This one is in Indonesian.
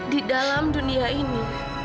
di dalam dunia ini